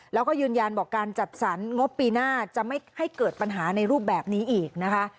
แล้วก็ยืนยันบอกการจัดสรรงบปีหน้าจะไม่ให้เกิดปัญหาในรูปแบบนี้อีกนะคะ